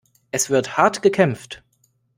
Es wird hart gekämpft.